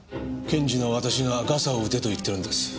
検事の私がガサを打てと言ってるんです。